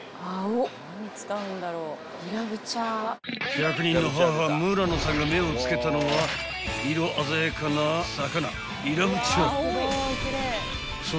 ［１００人の母村野さんが目を付けたのは色鮮やかな魚］